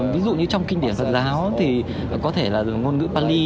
ví dụ như trong kinh điển phật giáo thì có thể là ngôn ngữ pali